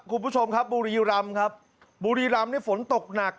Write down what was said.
คุณผู้ชมครับบุรีรำครับบุรีรำนี่ฝนตกหนัก